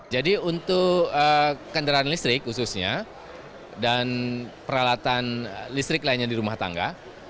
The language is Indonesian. jadi untuk kendaraan listrik khususnya dan peralatan listrik lainnya di rumah tangga